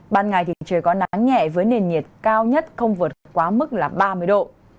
ban ngày thì trời có nắng nhẹ với nền nhiệt cao nhất không vượt quá mức là ba mươi độ